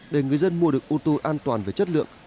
để người dân mua được ô tô an toàn về chất lượng